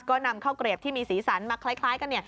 ก็นำข้าวเกลียบที่มีสีสันมาคล้ายกัน